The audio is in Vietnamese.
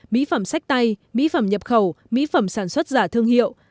mỹ phẩm sách tay mỹ phẩm nhập khẩu mỹ phẩm sản xuất giả thương hiệu